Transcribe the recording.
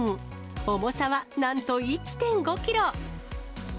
重さはなんと１．５キロ。